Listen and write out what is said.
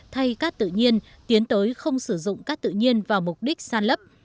thay cát tự nhiên tiến tới không sử dụng cát tự nhiên vào mục đích san lấp